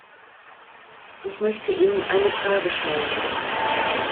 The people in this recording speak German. Ich möchte Ihnen eine Frage stellen.